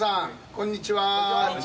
こんにちは。